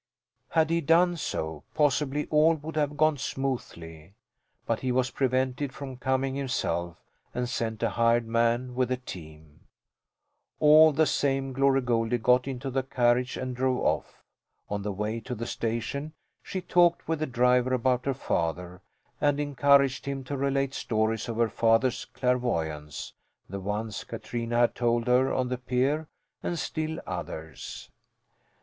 Had he done so possibly all would have gone smoothly. But he was prevented from coming himself and sent a hired man with the team. All the same Glory Goldie got into the carriage and drove off. On the way to the station she talked with the driver about her father and encouraged him to relate stories of her father's clairvoyance, the ones Katrina had told her on the pier and still others.